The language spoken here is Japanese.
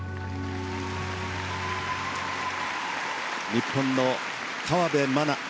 日本の河辺愛菜